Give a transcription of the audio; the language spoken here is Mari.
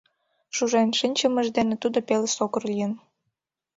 Шужен шинчымыж дене тудо пеле сокыр лийын.